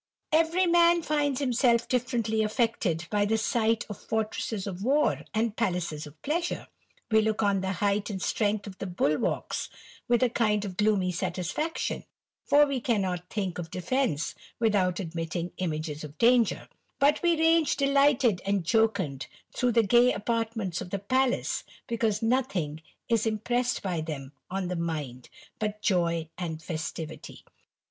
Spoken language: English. Every man finds himself differently affected by the sight of fortresses of war, and palaces of pleasure ; we look on the height and strength of the bulwarks with a kind of gloomy satisfaction, for we cannot think of defence without admitting images of danger ; but we range delighted and Jocund through the gay apartments of the palace, because nothing is impressed by them on the mind but joy and festivity.